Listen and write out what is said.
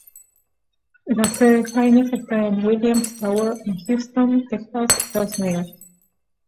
La sede de Hines está en la Williams Tower, en Houston, Texas, Estados Unidos.